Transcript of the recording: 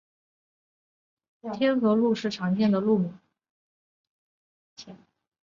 天河路是常见的路名。